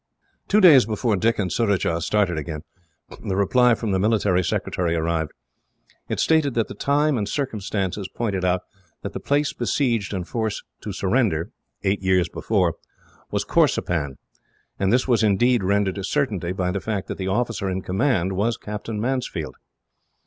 Two days before Dick and Surajah started again, the reply from the military secretary arrived. It stated that the time and circumstances pointed out that the place besieged and forced to surrender, eight years before, was Corsepan; and this was indeed rendered a certainty, by the fact that the officer in command was Captain Mansfield.